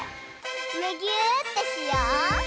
むぎゅーってしよう！